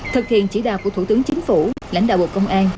thực hiện chỉ đạo của thủ tướng chính phủ lãnh đạo bộ công an